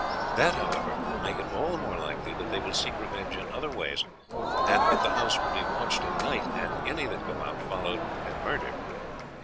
That, however, will make it all the more likely that they will seek revenge in other ways, and that the house will be watched at night and any that go out followed and murdered.